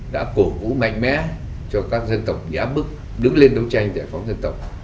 đã cổ vũ mạnh mẽ cho các dân tộc nhã bức đứng lên đấu tranh giải phóng dân tộc